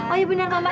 oh ya benar mama